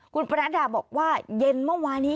คุณประนัดดาบอกว่าเย็นเมื่อวานนี้